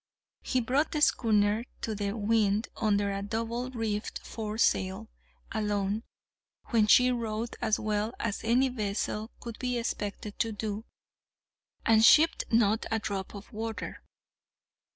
He brought the schooner to the wind under a double reefed foresail alone, when she rode as well as any vessel could be expected to do, and shipped not a drop of water.